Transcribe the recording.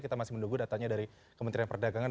kita masih menunggu datanya dari kementerian perdagangan